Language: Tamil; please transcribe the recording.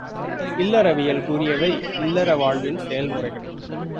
இல்லறவியல் கூறியவை இல்லற வாழ்வின் செயல் முறைகள்!